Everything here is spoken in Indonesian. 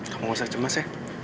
kamu nggak usah cemas ya